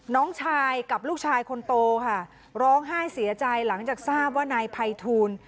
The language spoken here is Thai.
น้องชายกับลูกชายคนโตค่ะร้องไห้เสียใจหลังจากทราบว่านายภัยทูล